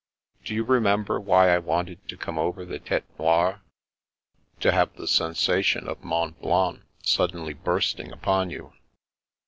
" Do you remember why I wanted to come over the Tete Noire?" " To have the sensation of Mont Blanc suddenly bursting upon you."